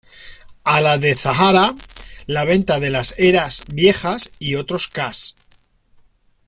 A la de Zahara; la venta de las Eras- Viejas, y otros cas.